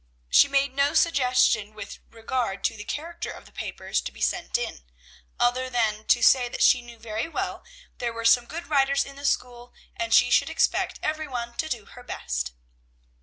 She made no suggestion with regard to the character of the papers to be sent in, other than to say that she knew very well there were some good writers in the school, and she should expect every one to do her best.